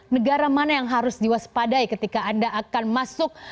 negara mana yang harus diwaspadai ketika anda akan masuk